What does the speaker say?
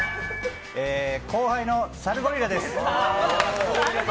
後輩のサルゴリラです。